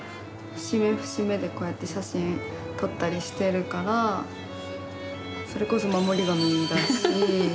節目、節目でこうやって写真撮ったりしてるからそれこそ守り神だし。